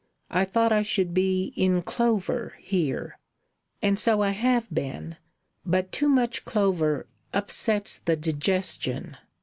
"I thought I should be 'in clover' here, and so I have been; but too much clover upsets the digestion.